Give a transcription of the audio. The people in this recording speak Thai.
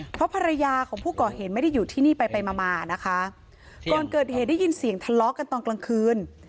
เพราะภรรยาของผู้ก่อเหตุไม่ได้อยู่ที่นี่ไปไปมามานะคะก่อนเกิดเหตุได้ยินเสียงทะเลาะกันตอนกลางคืน